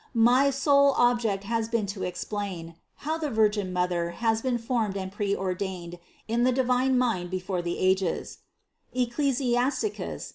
My sole object has been to explain, how the Virgin Mother has been formed and preordained in the divine mind before the ages (Ecclus.